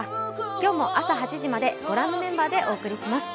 今日も朝８時までご覧のメンバーでお送りします。